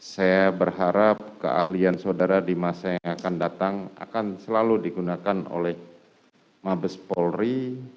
saya berharap keahlian saudara di masa yang akan datang akan selalu digunakan oleh mabes polri